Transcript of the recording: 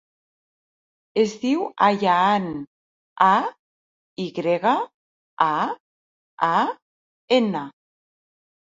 Es diu Ayaan: a, i grega, a, a, ena.